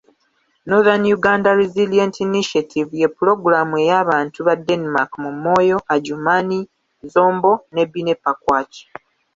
Nothern Uganda Resilient Initiative ye pulogulaamu ey'abantu ba Denmark mu Moyo, Adjumani, Zombo, Nebbi ne Pakwach.